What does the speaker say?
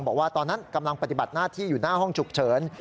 บอกว่าตอนนั้นกำลังปฏิบัติหน้าที่อยู่หน้าห้องฉุกเฉิน